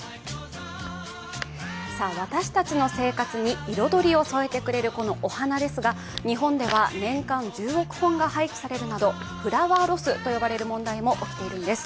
私たちの生活に彩りを添えてくれるこのお花ですが日本では年間１０億本が廃棄されるなどフラワーロスと呼ばれる問題も起きているんです。